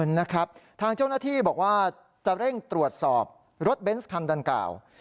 นะครับทางเจ้าหน้าที่บอกว่าจะเร่งตรวจสอบรถเบนส์คันดังกล่าว